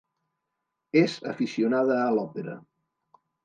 És aficionada a l'òpera.